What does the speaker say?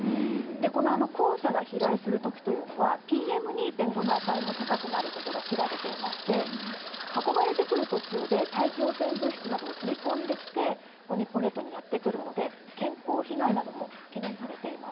この黄砂が飛来する時というのはＰＭ２．５の値も高くなることが知られていまして運ばれてくる途中で大気汚染物質などを取り込んできて日本列島にやってくるので健康被害なども懸念されてます。